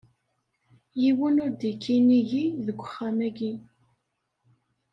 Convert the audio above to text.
Yiwen ur d-ikki nnig-i deg wexxam-agi.